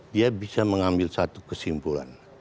dia bisa mengambil satu kesimpulan